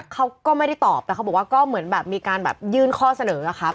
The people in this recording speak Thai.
เขาก็ไม่ได้ตอบแต่เขาบอกว่าก็เหมือนแบบมีการแบบยื่นข้อเสนออะครับ